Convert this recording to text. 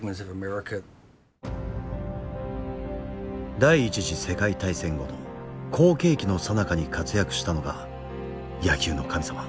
第一次世界大戦後の好景気のさなかに活躍したのが“野球の神様”